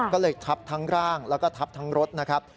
ก็เลยทับทั้งร่างแล้วก็ทับทั้งรถนะครับ